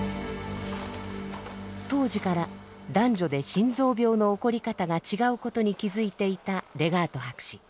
当時から男女で心臓病の起こり方が違うことに気付いていたレガート博士。